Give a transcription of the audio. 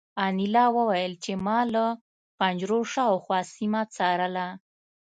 انیلا وویل چې ما له پنجرو شاوخوا سیمه څارله